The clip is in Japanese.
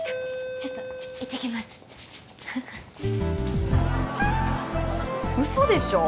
ちょっと行ってきます嘘でしょ？